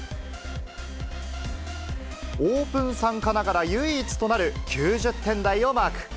オープン参加ながら、唯一となる９０点台をマーク。